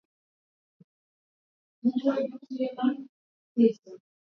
Mali ya Wachina Mwenyewe alisema anajipa raha jifurahishe ungali hai Chameleone alijigamba